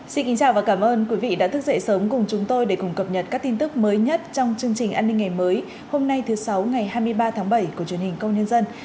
xin kính chào và cảm ơn quý vị đã thức dậy sớm cùng chúng tôi để cùng cập nhật các tin tức mới nhất trong chương trình an ninh ngày mới hôm nay thứ sáu ngày hai mươi ba tháng bảy của truyền hình công nhân dân